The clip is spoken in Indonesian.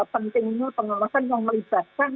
pentingnya pengawasan yang melibatkan